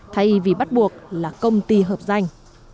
thay vì bắt buộc là công ty hợp danh